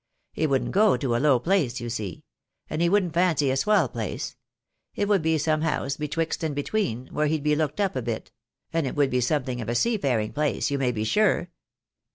He wouldn't go to a low place, you see; and he wouldn't fancy a swell place. It would be some house betwixt and between, where he'd be looked up to a bit — and it would be something of a sea faring place, you may be sure.